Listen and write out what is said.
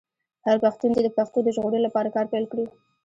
هر پښتون دې د پښتو د ژغورلو لپاره کار پیل کړي.